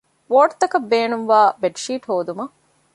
ވޯޑްތަކަށް ބޭނުންވާ ބެޑްޝީޓް ހޯދުމަށް